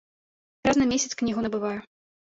Раз на месяц кнігу набываю.